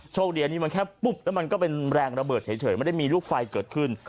คดีอันนี้มันแค่ปุ๊บแล้วมันก็เป็นแรงระเบิดเฉยไม่ได้มีลูกไฟเกิดขึ้น